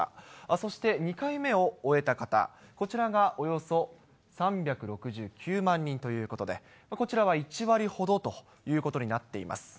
そして２回目を終えた方、こちらがおよそ３６９万人ということで、こちらは１割ほどということになっています。